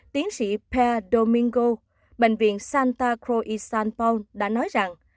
tiến sĩ per domingo bệnh viện santa cruz san paul đã nói rằng